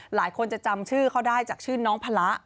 หลายคนจะจำชื่อเขาได้จากชื่อน้องพละ